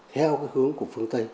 theo cái hướng của